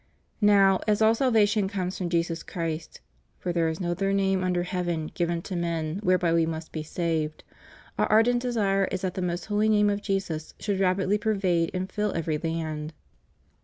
Now, as all salvation comes from Jesus Christ — for there is no other name under heaven given to men whereby we must he saved — Our ardent desire is that the most holy name of Jesus should rapidly pervade and fill every land.